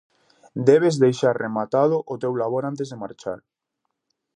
Debes deixar rematado o teu labor antes de marchar.